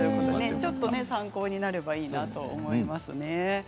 ちょっと参考になればいいなと思います。